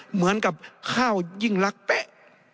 เหมือนกับข้าวยิ่งรักเป๊ะ